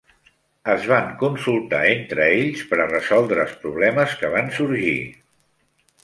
Es van consultar entre ells per a resoldre els problemes que van sorgir.